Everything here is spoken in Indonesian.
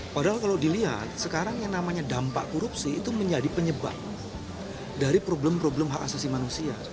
padahal kalau dilihat sekarang yang namanya dampak korupsi itu menjadi penyebab dari problem problem hak asasi manusia